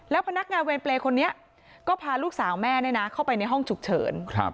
พนักงานเวรเปรย์คนนี้ก็พาลูกสาวแม่เข้าไปในห้องฉุกเฉิน